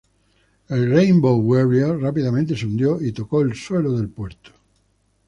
El "Rainbow Warrior" rápidamente se hundió y tocó el suelo del puerto.